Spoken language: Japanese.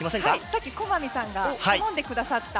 さっき駒見さんが頼んでくださった。